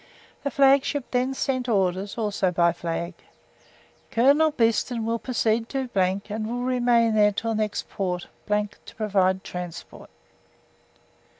The flagship then sent orders (also by flag) "Colonel Beeston will proceed to and will remain there until next port. to provide transport."